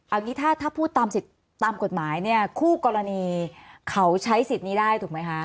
เอางี้ถ้าพูดตามกฎหมายเนี่ยคู่กรณีเขาใช้สิทธิ์นี้ได้ถูกไหมคะ